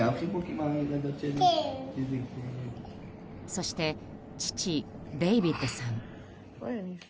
そして、父デイビッドさん。